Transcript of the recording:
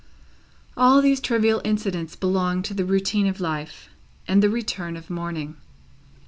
All these trivial incidents belonged to the routine of life, and the return of morning.